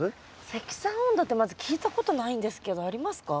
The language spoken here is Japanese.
積算温度ってまず聞いたことないんですけどありますか？